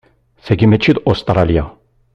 Tagi mačči d Ustṛalya.